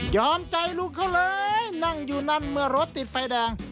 ใจลูกเขาเลยนั่งอยู่นั่นเมื่อรถติดไฟแดง